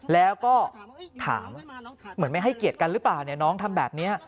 แล้วก็ถามเหมือนไม่ให้เกียรติกันหรือเปล่าเนี่ยน้องทำแบบนี้